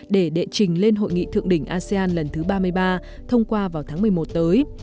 để đệ trình lên hội nghị thượng đỉnh asean lần thứ ba mươi ba thông qua vào tháng một mươi một tới